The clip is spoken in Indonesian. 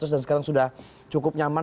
dan sekarang sudah cukup nyaman